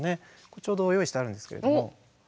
ちょうど用意してあるんですけれども。